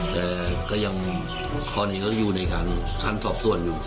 แต่ก็ยังตอนนี้ก็อยู่ในขั้นสอบส่วนอยู่